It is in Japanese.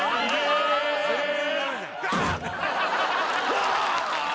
ああ！